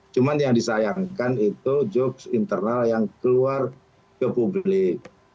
cuma yang disayangkan itu jokes internal yang keluar ke publik